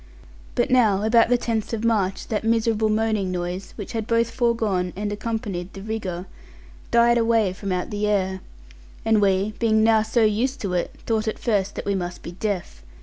But now, about the tenth of March, that miserable moaning noise, which had both foregone and accompanied the rigour, died away from out the air; and we, being now so used to it, thought at first that we must be deaf.